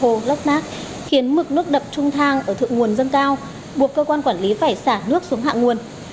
hồ lóc mác khiến mực nước đập trung thang ở thượng nguồn dân cao buộc cơ quan quản lý phải xả nước xuống hạng nguồn